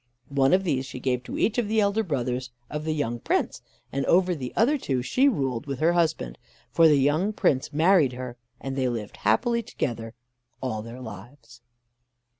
One of these she gave to each of the elder brothers of the young Prince, and over the other two she ruled with her husband, for the young Prince married her, and they lived happily together all their lives.